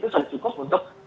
sudah cukup untuk